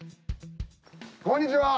こんにちは。